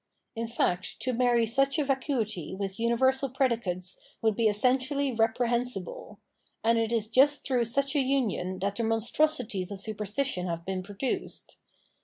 In fact to marry such a vacuity with universal predicates would be essentially reprehensible; and it is just through such a umon that the monstrosities of superstition have been produced.